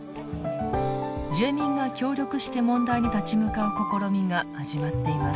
住民が協力して問題に立ち向かう試みが始まっています。